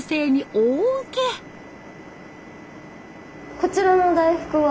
こちらの大福は？